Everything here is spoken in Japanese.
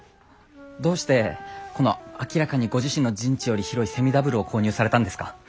どうしてこの明らかにご自身の陣地より広いセミダブルを購入されたんですか？